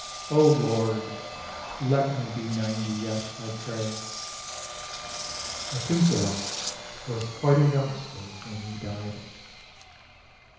O Lord, let me be ninety yet, I pray. Methuselah was quite a youngster when He died.